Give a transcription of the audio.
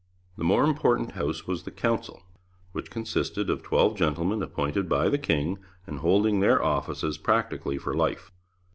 The more important House was the Council, which consisted of twelve gentlemen appointed by the king, and holding their offices practically for life.